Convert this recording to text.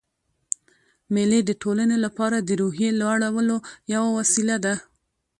مېلې د ټولنې له پاره د روحیې لوړولو یوه وسیله ده.